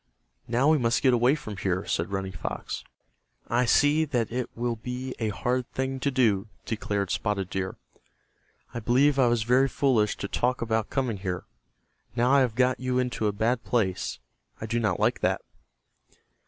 "Now we must get away from here," said Running Fox. "I see that it will be a hard thing to do," declared Spotted Deer. "I believe I was very foolish to talk about coming here. Now I have got you into a bad place. I do not like that."